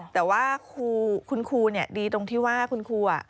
แต่ว่าคุณครูเนี่ยดีตรงที่ว่าคุณครูอ่ะ